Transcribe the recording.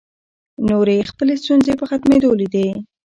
نورې یې خپلې ستونزې په ختمېدو لیدې.